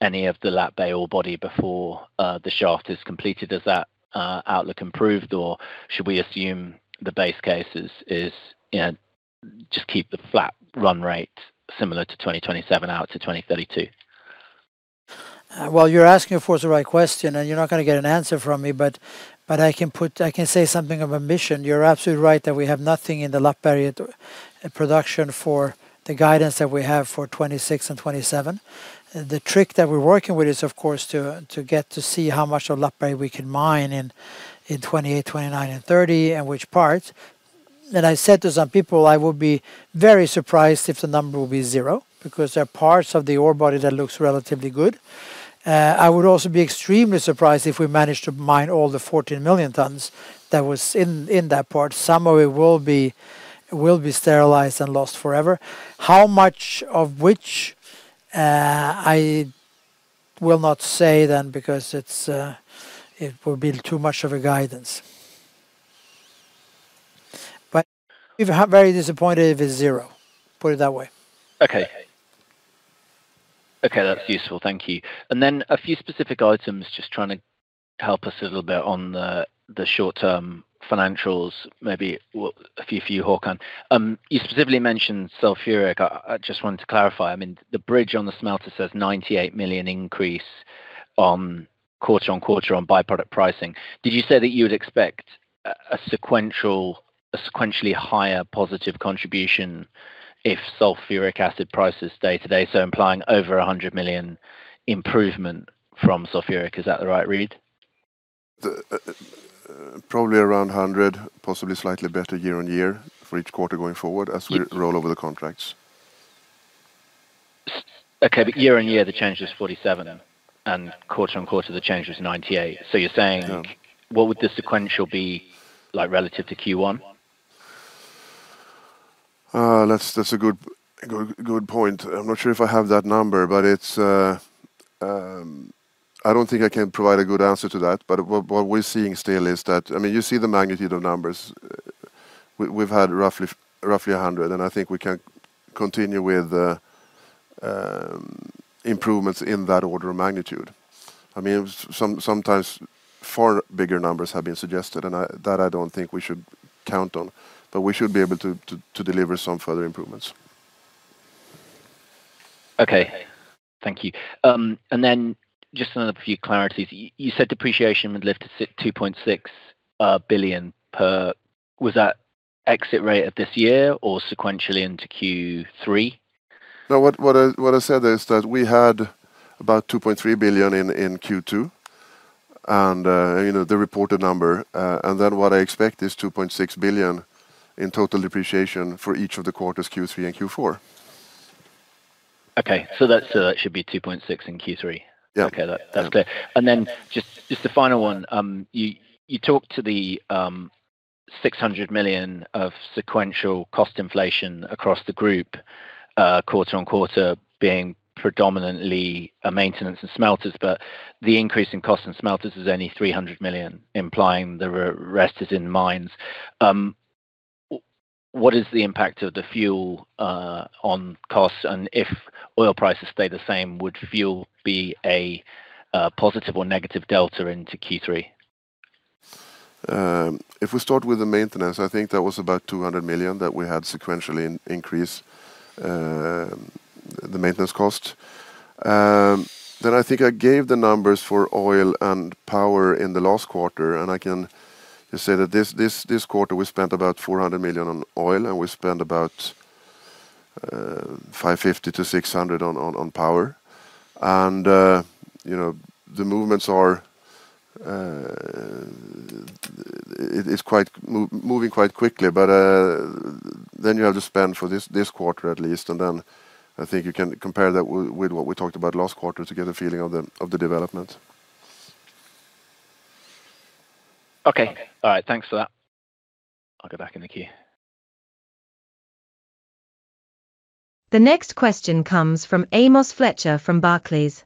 any of the Lappberget ore body before the shaft is completed? Has that outlook improved, or should we assume the base case is just keep the flat run-rate similar to 2027 out to 2032? Well, you're asking, of course, the right question, and you're not going to get an answer from me, but I can say something of a mission. You're absolutely right that we have nothing in the Lappberget production for the guidance that we have for 2026 and 2027. The trick that we're working with is, of course, to get to see how much of Lappberget we can mine in 2028, 2029, and 2030, and which parts. I said to some people, I would be very surprised if the number will be zero, because there are parts of the ore body that looks relatively good. I would also be extremely surprised if we managed to mine all the 14 million tonnes that was in that part. Some of it will be sterilized and lost forever. How much of which, I will not say then because it would be too much of a guidance. We'd be very disappointed if it's zero, put it that way. Okay. That's useful. Thank you. A few specific items, just trying to help us a little bit on the short-term financials, maybe a few for you, Håkan. You specifically mentioned sulfuric. I just wanted to clarify, the bridge on the smelter says 98 million increase quarter-on-quarter on byproduct pricing. Did you say that you would expect a sequentially higher positive contribution if sulfuric acid prices stay today, so implying over 100 million improvement from sulfuric? Is that the right read? Probably around 100 million, possibly slightly better year-over-year for each quarter going forward as we roll over the contracts. Okay. Year-over-year, the change was 47%, and quarter-over-quarter, the change was 98%. You're saying- Yeah What would the sequential be relative to Q1? That's a good point. I'm not sure if I have that number, but I don't think I can provide a good answer to that. What we're seeing still is that, you see the magnitude of numbers. We've had roughly 100 million, and I think we can continue with improvements in that order of magnitude. Sometimes far bigger numbers have been suggested, and that I don't think we should count on, but we should be able to deliver some further improvements. Okay. Thank you. Then just another few clarities. You said depreciation would lift to 2.6 billion per, was that exit rate of this year or sequentially into Q3? No, what I said is that we had about 2.3 billion in Q2 the reported number. Then what I expect is 2.6 billion in total depreciation for each of the quarters, Q3 and Q4. Okay. That should be 2.6 billion in Q3. Yeah. Okay. That's clear. Then just the final one. You talked to the 600 million of sequential cost inflation across the group quarter-on-quarter being predominantly maintenance and smelters, but the increase in cost in smelters is only 300 million, implying the rest is in mines. What is the impact of the fuel on costs and if oil prices stay the same, would fuel be a positive or negative delta into Q3? If we start with the maintenance, I think that was about 200 million that we had sequentially increase the maintenance cost. I think I gave the numbers for oil and power in the last quarter, and I can just say that this quarter, we spent about 400 million on oil, and we spent about 550 million-600 million on power. The movements are moving quite quickly. You have the spend for this quarter at least, and I think you can compare that with what we talked about last quarter to get a feeling of the development. Okay. All right. Thanks for that. I'll go back in the queue. The next question comes from Amos Fletcher from Barclays.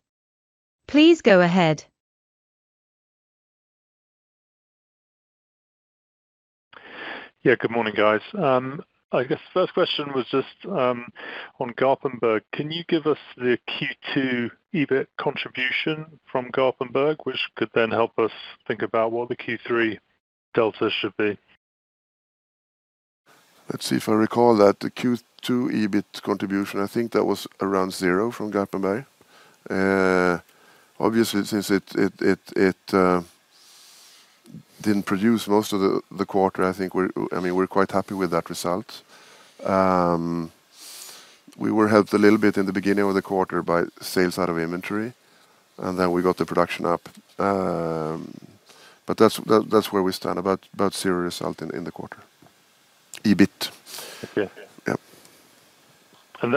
Please go ahead. Yeah. Good morning, guys. I guess the first question was just on Garpenberg. Can you give us the Q2 EBIT contribution from Garpenberg, which could help us think about what the Q3 delta should be? Let's see if I recall that. The Q2 EBIT contribution, I think that was around 0 from Garpenberg. Obviously, since it didn't produce most of the quarter, we're quite happy with that result. We were helped a little bit in the beginning of the quarter by sales out of inventory, then we got the production up. That's where we stand, about zero result in the quarter. EBIT. Yeah. Yep. Is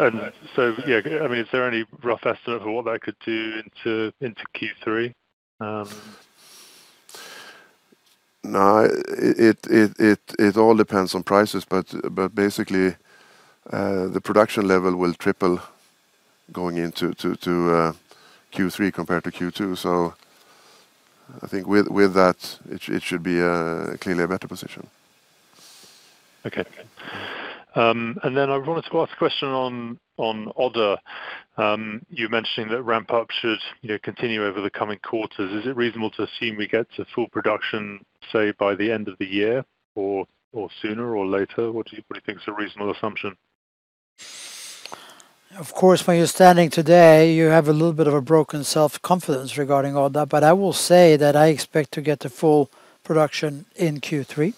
there any rough estimate for what that could do into Q3? No, it all depends on prices, basically, the production level will triple going into Q3 compared to Q2. I think with that, it should be clearly a better position. Okay. I wanted to ask a question on Odda. You're mentioning that ramp-up should continue over the coming quarters. Is it reasonable to assume we get to full production, say, by the end of the year or sooner or later? What do you think is a reasonable assumption? Where you're standing today, you have a little bit of a broken self-confidence regarding all that. I will say that I expect to get to full production in Q3.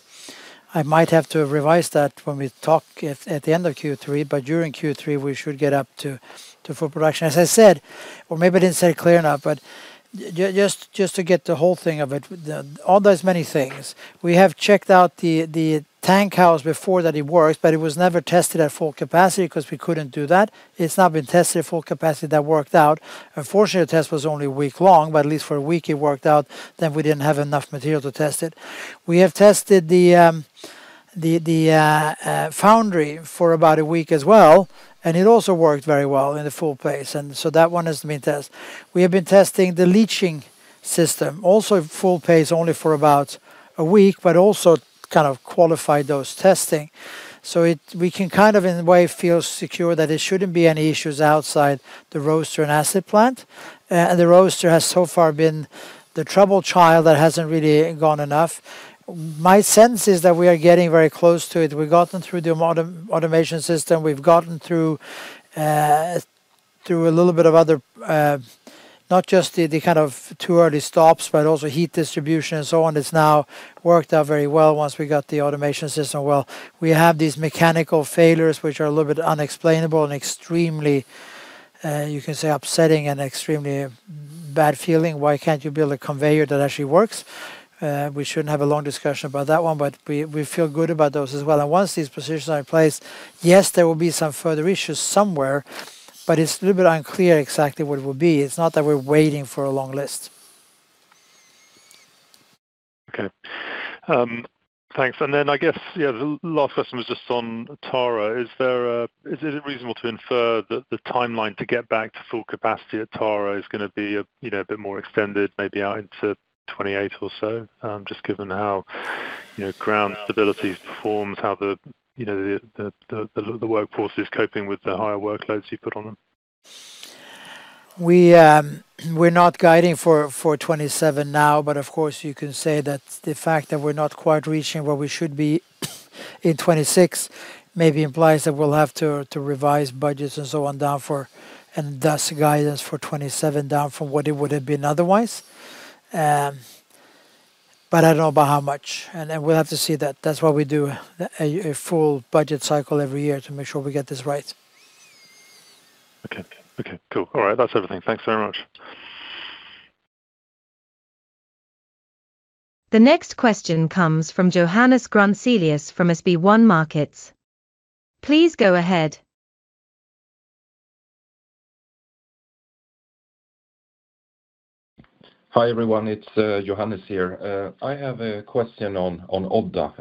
I might have to revise that when we talk at the end of Q3, during Q3, we should get up to full production. As I said, or maybe I didn't say it clear enough, just to get the whole thing of it, Odda has many things. We have checked out the tank house before that it worked, but it was never tested at full capacity because we couldn't do that. It's now been tested at full capacity. That worked out. Unfortunately, the test was only a week long, at least for a week, it worked out. We didn't have enough material to test it. We have tested the foundry for about a week as well, it also worked very well in the full pace. That one has been tested. We have been testing the leaching system, also at full pace only for about a week, but also kind of qualified those testing. We can kind of in a way feel secure that there shouldn't be any issues outside the roaster and acid plant. The roaster has so far been the troubled child that hasn't really gone enough. My sense is that we are getting very close to it. We've gotten through the automation system. We've gotten through a little bit of other, not just the kind of too early stops, but also heat distribution and so on. It's now worked out very well once we got the automation system well. We have these mechanical failures, which are a little bit unexplainable and extremely, you can say upsetting and extremely bad feeling. Why can't you build a conveyor that actually works? We shouldn't have a long discussion about that one, we feel good about those as well. Once these positions are in place, yes, there will be some further issues somewhere, it's a little bit unclear exactly what it will be. It's not that we're waiting for a long list. Okay. Thanks. I guess the last question was just on Tara. Is it reasonable to infer that the timeline to get back to full capacity at Tara is going to be a bit more extended, maybe out into 2028 or so? Just given how ground stability performs, how the workforce is coping with the higher workloads you put on them. We're not guiding for 2027 now, of course, you can say that the fact that we're not quite reaching where we should be in 2026 maybe implies that we'll have to revise budgets and so on down for, and thus guidance for 2027 down from what it would have been otherwise. I don't know by how much. We'll have to see that. That's why we do a full budget cycle every year to make sure we get this right. Okay, cool. All right. That's everything. Thanks very much. The next question comes from Johannes Grunselius from SB1 Markets. Please go ahead. Hi, everyone. It's Johannes here. I have a question on Odda,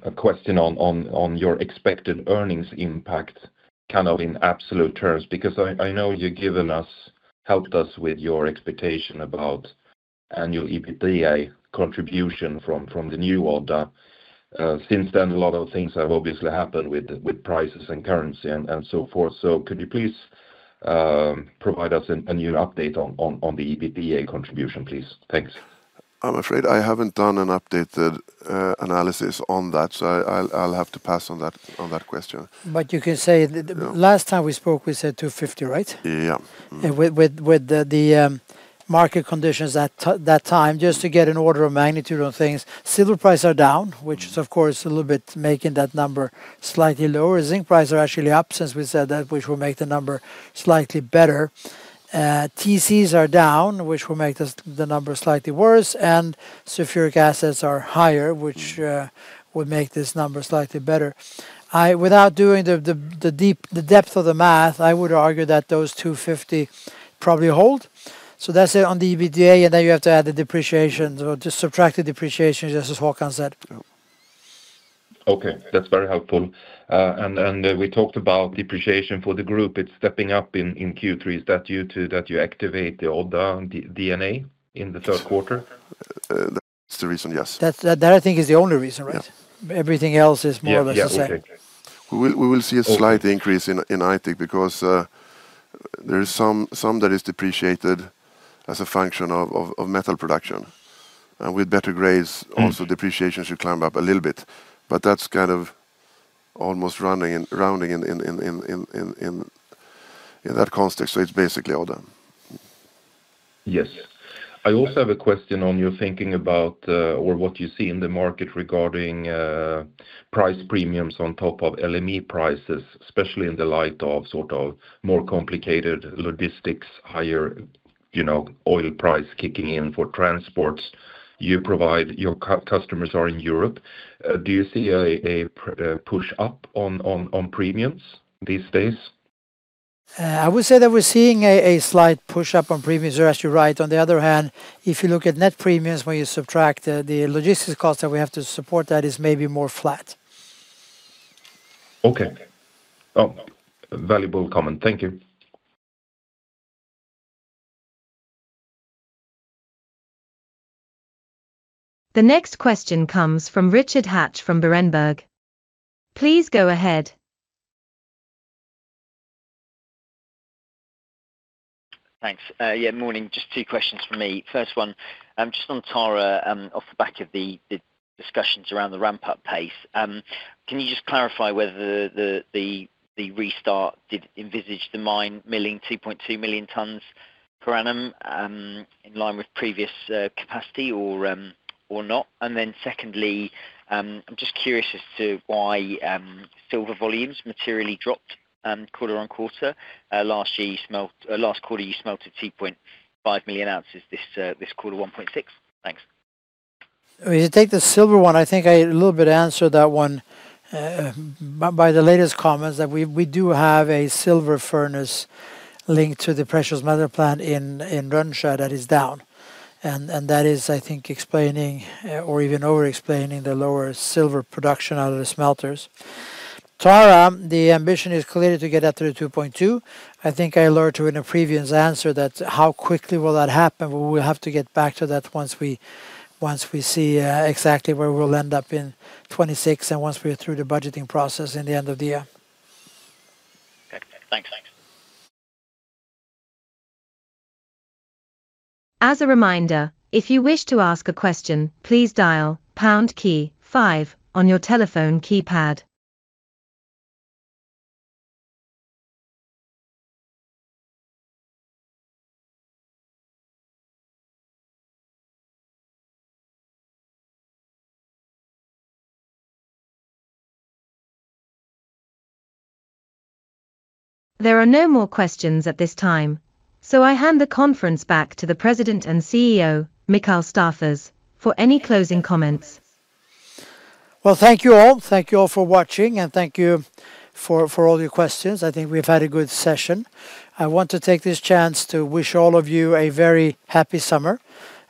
a question on your expected earnings impact kind of in absolute terms, because I know you've helped us with your expectation about annual EBITDA contribution from the new Odda. Since then, a lot of things have obviously happened with prices and currency and so forth. Could you please provide us a new update on the EBITDA contribution, please? Thanks. I'm afraid I haven't done an updated analysis on that, so I'll have to pass on that question. You can say last time we spoke, we said 250 million, right? Yeah. With the market conditions at that time, just to get an order of magnitude on things, silver prices are down, which is of course a little bit making that number slightly lower. Zinc prices are actually up since we said that, which will make the number slightly better. TCs are down, which will make the number slightly worse, and sulfuric acids are higher, which would make this number slightly better. Without doing the depth of the math, I would argue that those 250 million probably hold. That's it on the EBITDA, and then you have to add the depreciation or just subtract the depreciation, just as Håkan said. Okay, that's very helpful. We talked about depreciation for the group. It's stepping up in Q3. Is that due to that you activate the Odda D&A in the third quarter? That's the reason, yes. That I think is the only reason, right? Yeah. Everything else is more or less the same. Yeah. Okay. We will see a slight increase in Aitik because there is some that is depreciated as a function of metal production. With better grades, also depreciation should climb up a little bit, but that's kind of almost rounding in that context. It's basically Odda. Yes. I also have a question on your thinking about or what you see in the market regarding price premiums on top of LME prices, especially in the light of sort of more complicated logistics, higher oil price kicking in for transports you provide, your customers are in Europe. Do you see a push up on premiums these days? I would say that we're seeing a slight pushup on premiums there, as you're right. On the other hand, if you look at net premiums, when you subtract the logistics cost that we have to support that is maybe more flat. Okay. Valuable comment. Thank you. The next question comes from Richard Hatch from Berenberg. Please go ahead. Thanks. Yeah, morning. Just two questions from me. First one, just on Tara, off the back of the discussions around the ramp-up pace. Can you just clarify whether the restart did envisage the mine milling 2.2 million tonnes per annum in line with previous capacity or not? Secondly, I'm just curious as to why silver volumes materially dropped quarter-on-quarter. Last quarter, you smelted 2.5 million ounces, this quarter 1.6 million ounces. Thanks. If you take the silver one, I think I a little bit answered that one by the latest comments that we do have a silver furnace linked to the precious metal plant in Grönsta that is down. That is, I think explaining or even overexplaining the lower silver production out of the smelters. Tara, the ambition is clearly to get that through to 2.2 million tonnes per annum. I think I alluded to in a previous answer that how quickly will that happen, we will have to get back to that once we see exactly where we'll end up in 2026 and once we're through the budgeting process at the end of the year. Okay, thanks. As a reminder, if you wish to ask a question, please dial pound key five on your telephone keypad. There are no more questions at this time. I hand the conference back to the President and CEO, Mikael Staffas, for any closing comments. Well, thank you all. Thank you all for watching, and thank you for all your questions. I think we've had a good session. I want to take this chance to wish all of you a very happy summer.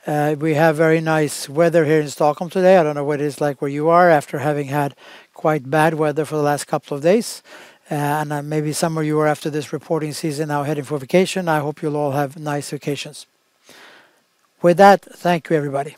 We have very nice weather here in Stockholm today. I don't know what it's like where you are after having had quite bad weather for the last couple of days. Maybe some of you are after this reporting season now heading for vacation. I hope you'll all have nice vacations. With that, thank you, everybody.